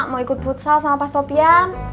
mau ikut futsal sama pak sofian